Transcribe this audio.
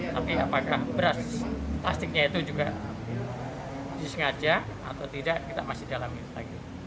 tapi apakah beras plastiknya itu juga disengaja atau tidak kita masih dalamin lagi